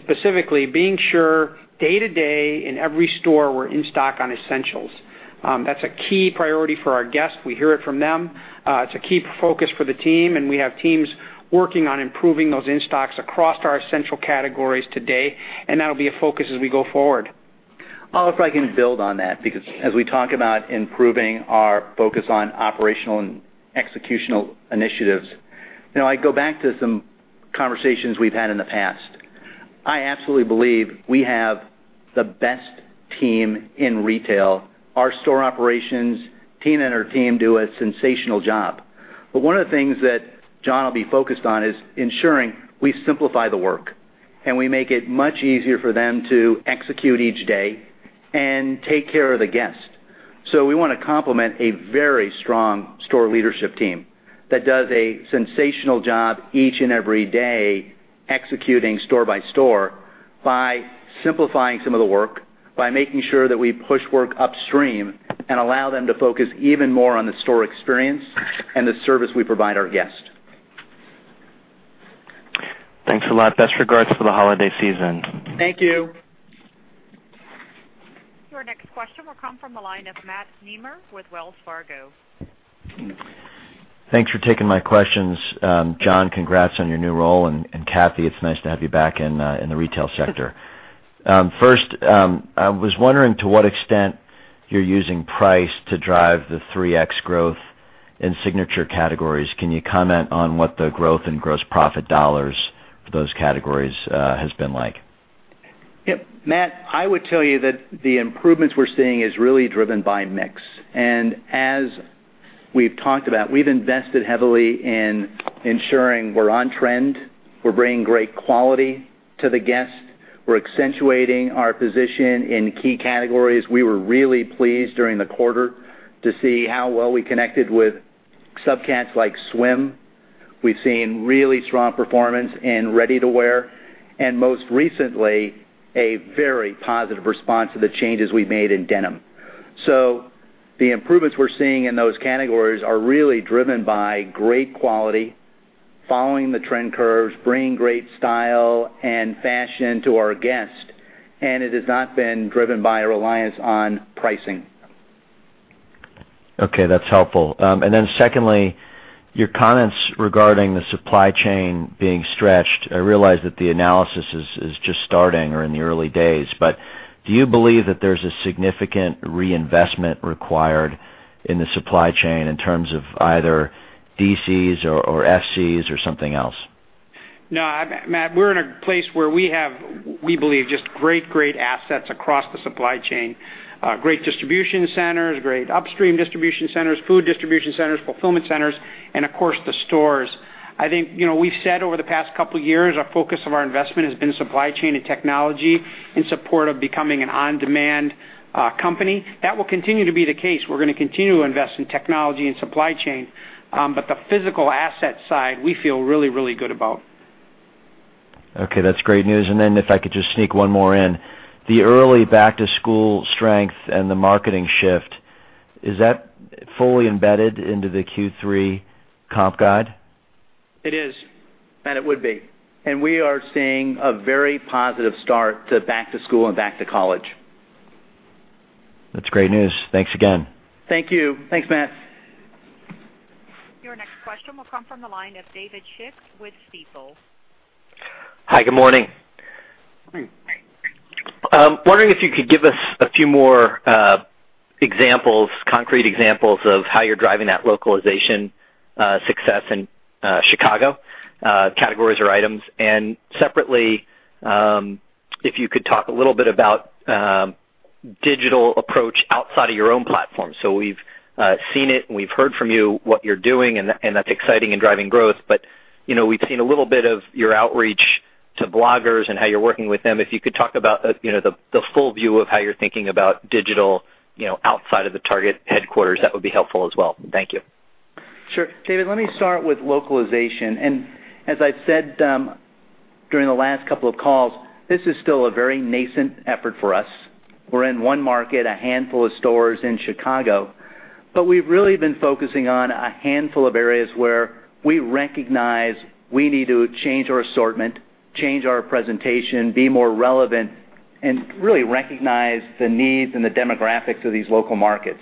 specifically being sure day to day in every store we're in stock on essentials. That's a key priority for our guests. We hear it from them. It's a key focus for the team, and we have teams working on improving those in-stocks across our essential categories today, and that'll be a focus as we go forward. If I can build on that, because as we talk about improving our focus on operational and executional initiatives, I go back to some conversations we've had in the past. I absolutely believe we have the best team in retail. Our store operations team and our team do a sensational job. One of the things that John will be focused on is ensuring we simplify the work and we make it much easier for them to execute each day and take care of the guest. We want to complement a very strong store leadership team that does a sensational job each and every day executing store by store, by simplifying some of the work, by making sure that we push work upstream and allow them to focus even more on the store experience and the service we provide our guests. Thanks a lot. Best regards for the holiday season. Thank you. Your next question will come from the line of Matt Nemer with Wells Fargo. Thanks for taking my questions. John, congrats on your new role, and Cathy, it's nice to have you back in the retail sector. First, I was wondering to what extent you're using price to drive the 3x growth in signature categories. Can you comment on what the growth in gross profit dollars for those categories has been like? Matt, I would tell you that the improvements we're seeing is really driven by mix. As we've talked about, we've invested heavily in ensuring we're on trend. We're bringing great quality to the guest. We're accentuating our position in key categories. We were really pleased during the quarter to see how well we connected with subcats like swim. We've seen really strong performance in ready-to-wear, and most recently, a very positive response to the changes we've made in denim. The improvements we're seeing in those categories are really driven by great quality, following the trend curves, bringing great style and fashion to our guests, and it has not been driven by a reliance on pricing. Okay, that's helpful. Secondly, your comments regarding the supply chain being stretched. I realize that the analysis is just starting or in the early days, but do you believe that there's a significant reinvestment required in the supply chain in terms of either DCs or SCs or something else? No, Matt, we're in a place where we have, we believe, just great assets across the supply chain. Great distribution centers, great upstream distribution centers, food distribution centers, fulfillment centers, and of course, the stores. I think we've said over the past couple of years, our focus of our investment has been supply chain and technology in support of becoming an on-demand company. That will continue to be the case. We're going to continue to invest in technology and supply chain. The physical asset side, we feel really good about. Okay, that's great news. If I could just sneak one more in. The early back-to-school strength and the marketing shift, is that fully embedded into the Q3 comp guide? It is. It would be. We are seeing a very positive start to back to school and back to college. That's great news. Thanks again. Thank you. Thanks, Matt. Your next question will come from the line of David Schick with Stifel. Hi, good morning. Good morning. I'm wondering if you could give us a few more concrete examples of how you're driving that localization success in Chicago, categories or items. Separately, if you could talk a little bit about digital approach outside of your own platform. We've seen it and we've heard from you what you're doing, and that's exciting and driving growth, but we've seen a little bit of your outreach to bloggers and how you're working with them. If you could talk about the full view of how you're thinking about digital outside of the Target headquarters, that would be helpful as well. Thank you. David, let me start with localization. As I've said during the last couple of calls, this is still a very nascent effort for us. We're in one market, a handful of stores in Chicago, but we've really been focusing on a handful of areas where we recognize we need to change our assortment, change our presentation, be more relevant, and really recognize the needs and the demographics of these local markets.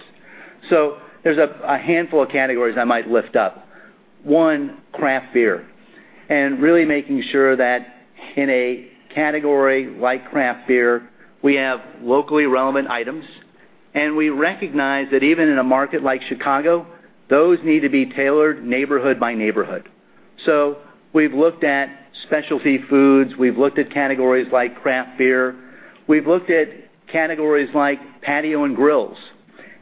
There's a handful of categories I might lift up. One, craft beer, and really making sure that in a category like craft beer, we have locally relevant items. We recognize that even in a market like Chicago, those need to be tailored neighborhood by neighborhood. We've looked at specialty foods, we've looked at categories like craft beer. We've looked at categories like patio and grills,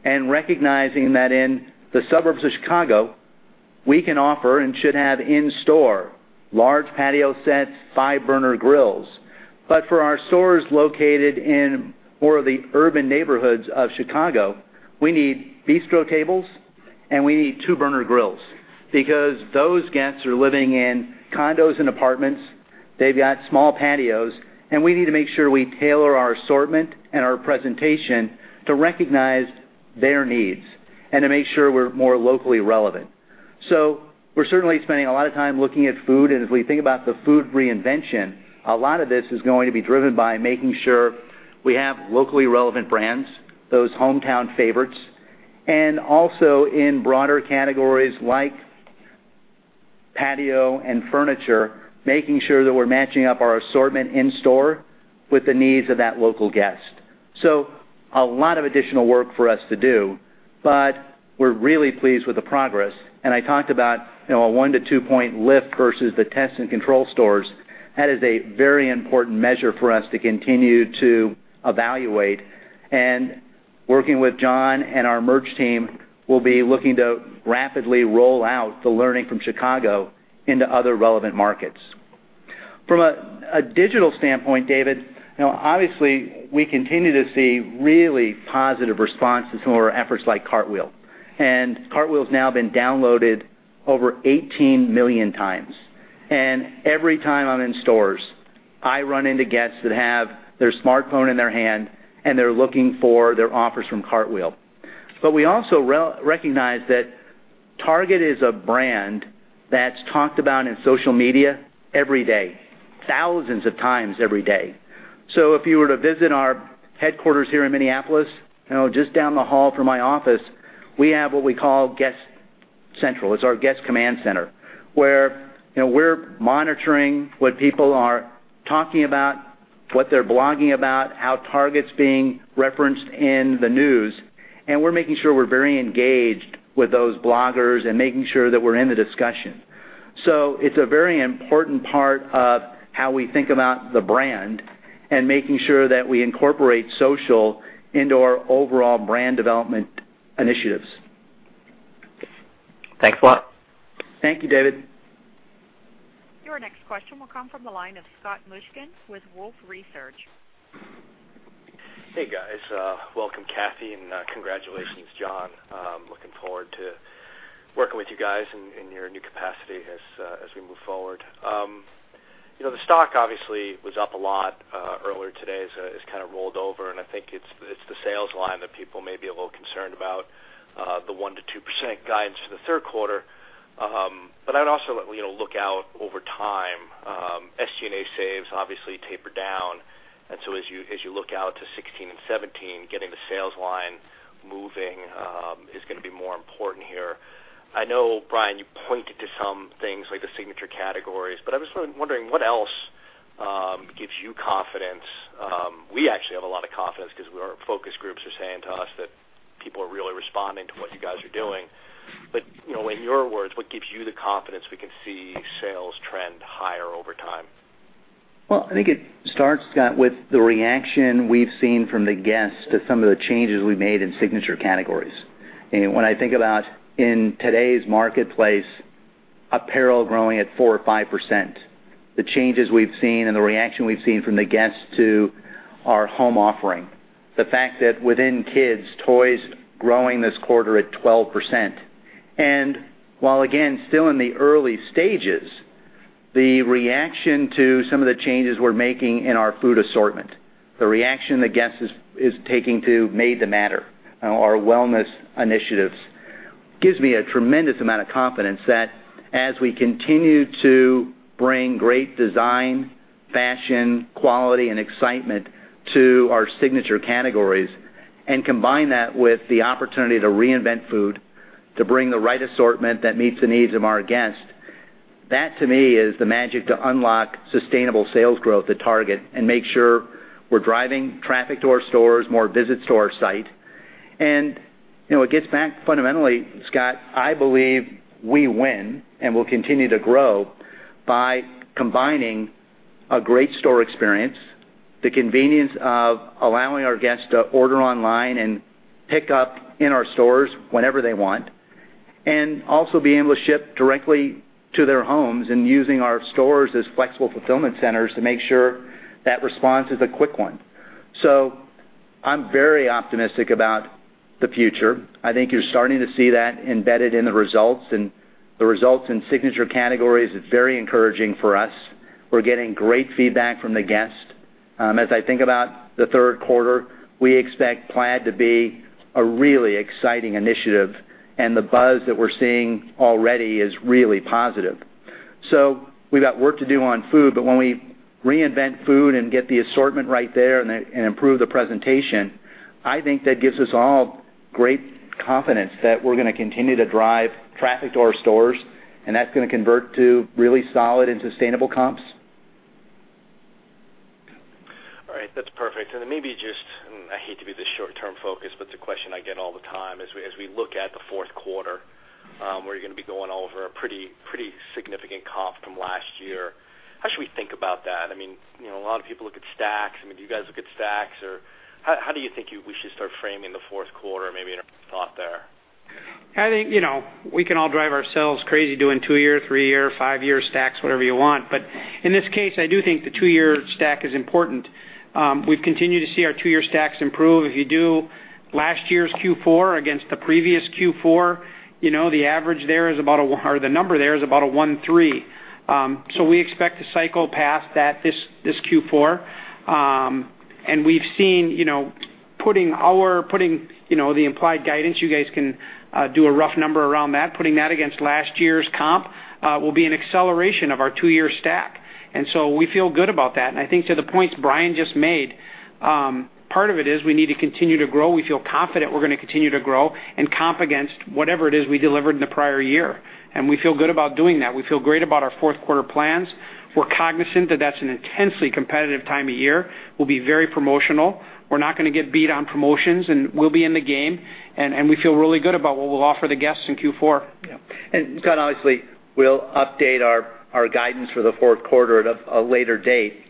and recognizing that in the suburbs of Chicago, we can offer and should have in store large patio sets, five-burner grills. For our stores located in more of the urban neighborhoods of Chicago, we need bistro tables and we need two-burner grills because those guests are living in condos and apartments. They've got small patios, and we need to make sure we tailor our assortment and our presentation to recognize their needs and to make sure we're more locally relevant. We're certainly spending a lot of time looking at food, and as we think about the food reinvention, a lot of this is going to be driven by making sure we have locally relevant brands, those hometown favorites. Also in broader categories like patio and furniture, making sure that we're matching up our assortment in store with the needs of that local guest. A lot of additional work for us to do, but we're really pleased with the progress. I talked about a one to two-point lift versus the test and control stores. That is a very important measure for us to continue to evaluate. Working with John and our merch team, we'll be looking to rapidly roll out the learning from Chicago into other relevant markets. From a digital standpoint, David, obviously, we continue to see really positive responses from our efforts like Cartwheel. Cartwheel has now been downloaded over 18 million times. Every time I'm in stores, I run into guests that have their smartphone in their hand, and they're looking for their offers from Cartwheel. We also recognize that Target is a brand that's talked about in social media every day, thousands of times every day. If you were to visit our headquarters here in Minneapolis, just down the hall from my office, we have what we call Guest Central. It's our guest command center, where we're monitoring what people are talking about, what they're blogging about, how Target's being referenced in the news, and we're making sure we're very engaged with those bloggers and making sure that we're in the discussion. It's a very important part of how we think about the brand and making sure that we incorporate social into our overall brand development initiatives. Thanks a lot. Thank you, David. Your next question will come from the line of Scott Mushkin with Wolfe Research. Hey, guys. Welcome, Cathy, and congratulations, John. I'm looking forward to working with you guys in your new capacity as we move forward. The stock obviously was up a lot earlier today. It's kind of rolled over, and I think it's the sales line that people may be a little concerned about, the 1%-2% guidance for the third quarter. I'd also look out over time. SG&A saves obviously taper down, and so as you look out to 2016 and 2017, getting the sales line moving is going to be more important here. I know, Brian, you pointed to some things like the signature categories, but I'm just wondering what else gives you confidence. We actually have a lot of confidence because our focus groups are saying to us that people are really responding to what you guys are doing. In your words, what gives you the confidence we can see sales trend higher over time? I think it starts, Scott, with the reaction we've seen from the guests to some of the changes we've made in signature categories. When I think about in today's marketplace, apparel growing at 4% or 5%. The changes we've seen and the reaction we've seen from the guests to our home offering. The fact that within kids, toys growing this quarter at 12%. While, again, still in the early stages, the reaction to some of the changes we're making in our food assortment, the reaction the guest is taking to Made to Matter, our wellness initiatives, gives me a tremendous amount of confidence that as we continue to bring great design, fashion, quality, and excitement to our signature categories. Combine that with the opportunity to reinvent food, to bring the right assortment that meets the needs of our guests. That, to me, is the magic to unlock sustainable sales growth at Target and make sure we're driving traffic to our stores, more visits to our site. It gets back fundamentally, Scott, I believe we win and will continue to grow by combining a great store experience, the convenience of allowing our guests to order online and pick up in our stores whenever they want, and also being able to ship directly to their homes and using our stores as flexible fulfillment centers to make sure that response is a quick one. I'm very optimistic about the future. I think you're starting to see that embedded in the results, and the results in signature categories is very encouraging for us. We're getting great feedback from the guests. As I think about the third quarter, we expect Plaid to be a really exciting initiative. The buzz that we're seeing already is really positive. We've got work to do on food. When we reinvent food and get the assortment right there and improve the presentation, I think that gives us all great confidence that we're going to continue to drive traffic to our stores. That's going to convert to really solid and sustainable comps. All right. That's perfect. Maybe just, I hate to be the short-term focus, but it's a question I get all the time. As we look at the fourth quarter, where you're going to be going over a pretty significant comp from last year, how should we think about that? A lot of people look at stacks. Do you guys look at stacks, or how do you think we should start framing the fourth quarter? Maybe in a thought there. I think we can all drive ourselves crazy doing two-year, three-year, five-year stacks, whatever you want. In this case, I do think the two-year stack is important. We've continued to see our two-year stacks improve. If you do last year's Q4 against the previous Q4, the number there is about a 1.3. We expect to cycle past that this Q4. We've seen, putting the implied guidance, you guys can do a rough number around that. Putting that against last year's comp will be an acceleration of our two-year stack. We feel good about that. I think to the points Brian just made, part of it is we need to continue to grow. We feel confident we're going to continue to grow and comp against whatever it is we delivered in the prior year. We feel good about doing that. We feel great about our fourth-quarter plans. We're cognizant that that's an intensely competitive time of year. We'll be very promotional. We're not going to get beat on promotions, and we'll be in the game, and we feel really good about what we'll offer the guests in Q4. Yeah. Scott, obviously, we'll update our guidance for the fourth quarter at a later date.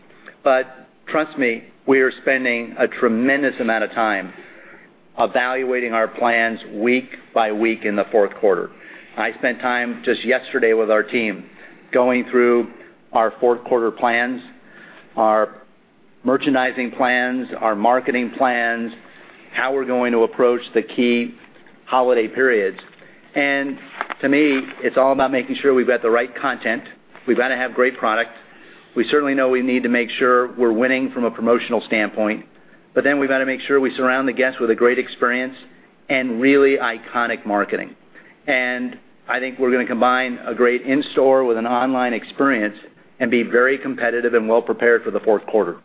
Trust me, we are spending a tremendous amount of time evaluating our plans week by week in the fourth quarter. I spent time just yesterday with our team going through our fourth-quarter plans, our merchandising plans, our marketing plans, how we're going to approach the key holiday periods. To me, it's all about making sure we've got the right content. We've got to have great product. We certainly know we need to make sure we're winning from a promotional standpoint, we've got to make sure we surround the guests with a great experience and really iconic marketing. I think we're going to combine a great in-store with an online experience and be very competitive and well prepared for the fourth quarter.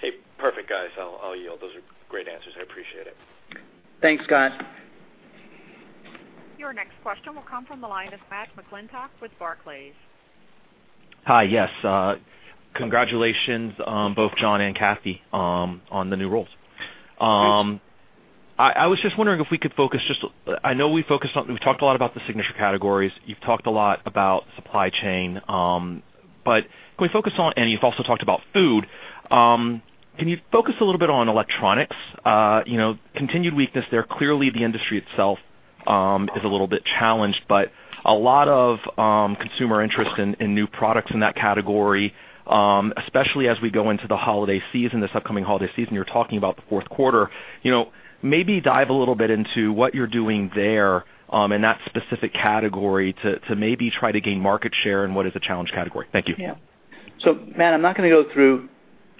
Hey, perfect, guys. I'll yield. Those are great answers. I appreciate it. Thanks, Scott. Your next question will come from the line of Matthew McClintock with Barclays. Hi. Yes. Congratulations, both John and Cathy, on the new roles. Thanks. I was just wondering if we could focus just. I know we've talked a lot about the signature categories. You've talked a lot about supply chain. You've also talked about food. Can you focus a little bit on electronics? Continued weakness there. Clearly, the industry itself is a little bit challenged, but a lot of consumer interest in new products in that category, especially as we go into the holiday season, this upcoming holiday season, you're talking about the fourth quarter. Maybe dive a little bit into what you're doing there in that specific category to maybe try to gain market share in what is a challenge category. Thank you. Yeah. Matt, I'm not going to go through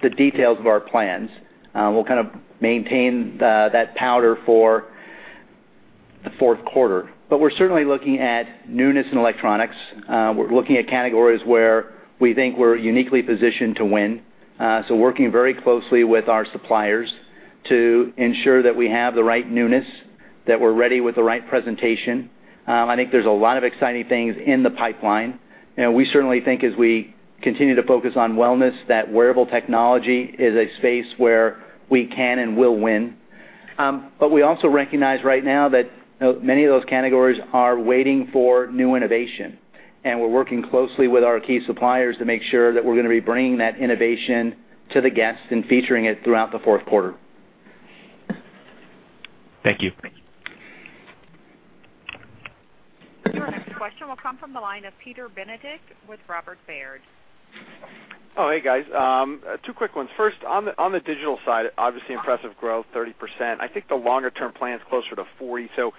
the details of our plans. We'll kind of maintain that powder for the fourth quarter. We're certainly looking at newness in electronics. We're looking at categories where we think we're uniquely positioned to win. Working very closely with our suppliers to ensure that we have the right newness, that we're ready with the right presentation. I think there's a lot of exciting things in the pipeline. We certainly think as we continue to focus on wellness, that wearable technology is a space where we can and will win. We also recognize right now that many of those categories are waiting for new innovation, and we're working closely with our key suppliers to make sure that we're going to be bringing that innovation to the guests and featuring it throughout the fourth quarter. Thank you. Thank you. Your next question will come from the line of Peter Benedict with Robert W. Baird. Hey, guys. Two quick ones. First, on the digital side, obviously impressive growth, 30%. I think the longer-term plan is closer to 40%.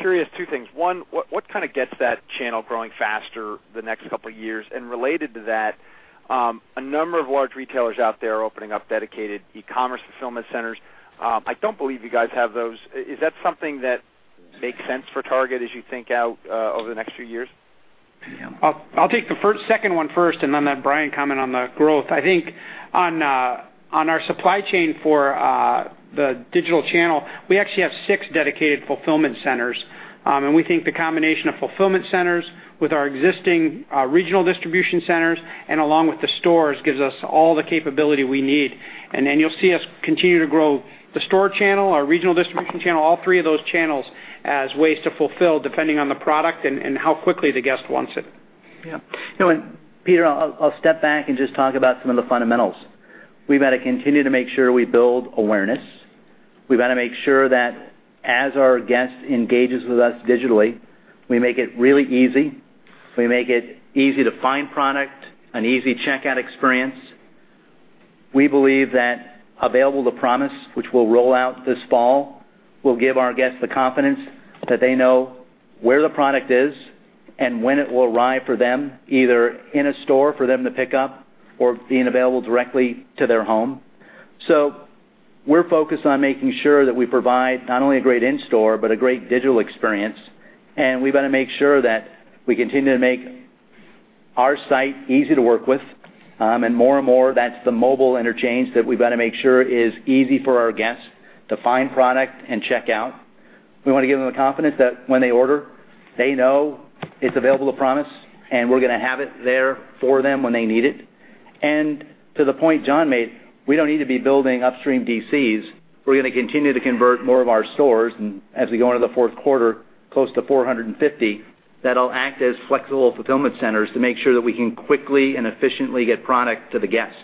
Curious, two things. One, what gets that channel growing faster the next couple of years? Related to that, a number of large retailers out there are opening up dedicated e-commerce fulfillment centers. I don't believe you guys have those. Is that something that makes sense for Target as you think out over the next few years? I'll take the second one first, then let Brian comment on the growth. I think on our supply chain for the digital channel, we actually have six dedicated fulfillment centers. We think the combination of fulfillment centers with our existing regional distribution centers along with the stores gives us all the capability we need. Then you'll see us continue to grow the store channel, our regional distribution channel, all three of those channels as ways to fulfill depending on the product and how quickly the guest wants it. Yes. Peter, I'll step back and just talk about some of the fundamentals. We've got to continue to make sure we build awareness. We've got to make sure that as our guest engages with us digitally, we make it really easy. We make it easy to find product, an easy checkout experience. We believe that Available to Promise, which we'll roll out this fall, will give our guests the confidence that they know where the product is and when it will arrive for them, either in a store for them to pick up or being available directly to their home. We're focused on making sure that we provide not only a great in-store but a great digital experience. We've got to make sure that we continue to make our site easy to work with. More and more, that's the mobile interchange that we've got to make sure is easy for our guests to find product and check out. We want to give them the confidence that when they order, they know it's Available to Promise, and we're going to have it there for them when they need it. To the point John made, we don't need to be building upstream DCs. We're going to continue to convert more of our stores, and as we go into the fourth quarter, close to 450, that'll act as flexible fulfillment centers to make sure that we can quickly and efficiently get product to the guest.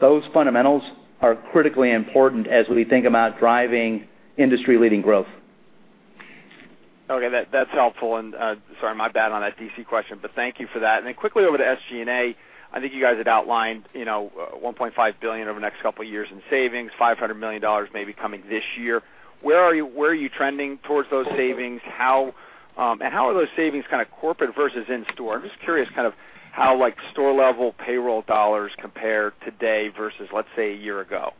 Those fundamentals are critically important as we think about driving industry-leading growth. Okay, that's helpful. Sorry, my bad on that DC question, but thank you for that. Then quickly over to SG&A. I think you guys had outlined $1.5 billion over the next couple of years in savings, $500 million maybe coming this year. Where are you trending towards those savings? How are those savings kind of corporate versus in-store? I'm just curious kind of how store-level payroll dollars compare today versus, let's say, a year ago.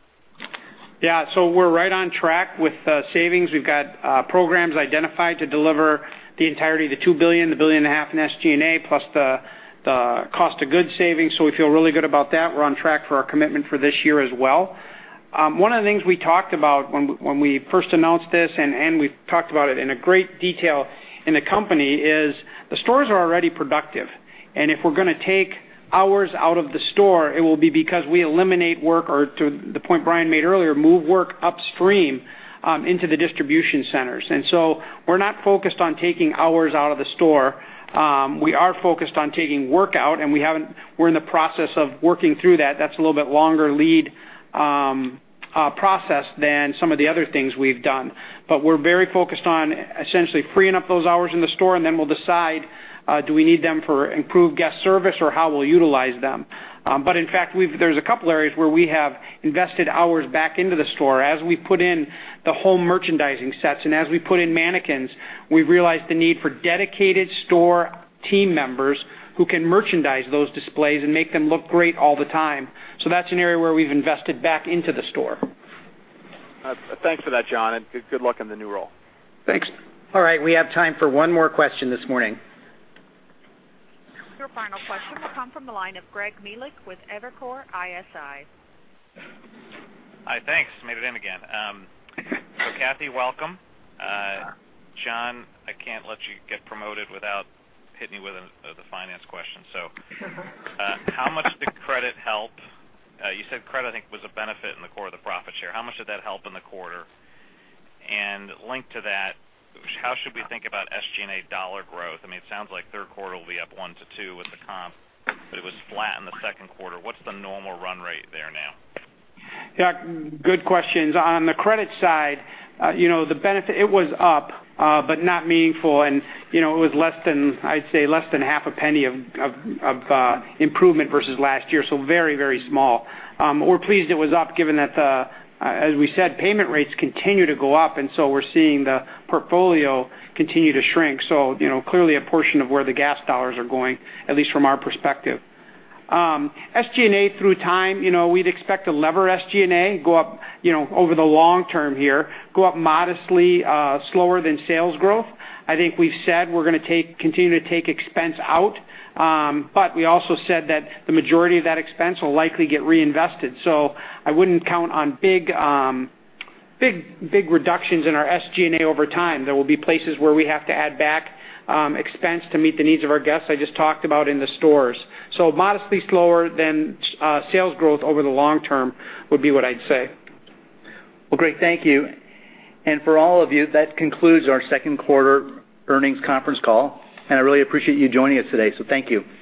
Yeah. We're right on track with savings. We've got programs identified to deliver the entirety of the $2 billion, the billion and a half in SG&A, plus the cost of goods savings. We feel really good about that. We're on track for our commitment for this year as well. One of the things we talked about when we first announced this, and we've talked about it in a great detail in the company, is the stores are already productive. If we're going to take hours out of the store, it will be because we eliminate work, or to the point Brian made earlier, move work upstream into the distribution centers. We're not focused on taking hours out of the store. We are focused on taking work out, and we're in the process of working through that. That's a little bit longer lead process than some of the other things we've done. We're very focused on essentially freeing up those hours in the store, and then we'll decide, do we need them for improved guest service or how we'll utilize them. In fact, there's a couple areas where we have invested hours back into the store. As we put in the home merchandising sets and as we put in mannequins, we've realized the need for dedicated store team members who can merchandise those displays and make them look great all the time. That's an area where we've invested back into the store. Thanks for that, John, good luck in the new role. Thanks. All right. We have time for one more question this morning. Your final question will come from the line of Greg Melich with Evercore ISI. Hi, thanks. Made it in again. Cathy, welcome. Sure. John, I can't let you get promoted without hitting you with a finance question. How much did credit help? You said credit, I think, was a benefit in the core of the profit share. How much did that help in the quarter? Linked to that, how should we think about SG&A dollar growth? It sounds like the third quarter will be up 1% to 2% with the comp, but it was flat in the second quarter. What's the normal run rate there now? Good questions. On the credit side, it was up, but not meaningful, and it was less than, I'd say, $0.005 of improvement versus last year. Very small. We're pleased it was up given that, as we said, payment rates continue to go up, we're seeing the portfolio continue to shrink. Clearly a portion of where the gas dollars are going, at least from our perspective. SG&A through time, we'd expect to lever SG&A, go up over the long term here, go up modestly slower than sales growth. I think we've said we're going to continue to take expense out. We also said that the majority of that expense will likely get reinvested. I wouldn't count on big reductions in our SG&A over time. There will be places where we have to add back expense to meet the needs of our guests I just talked about in the stores. Modestly slower than sales growth over the long term would be what I'd say. Great. Thank you. For all of you, that concludes our second quarter earnings conference call, I really appreciate you joining us today. Thank you.